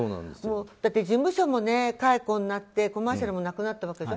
だって事務所も解雇になってコマーシャルもなくなったわけでしょ。